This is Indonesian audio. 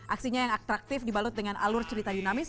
aksinya yang atraktif dibalut dengan alur cerita dinamis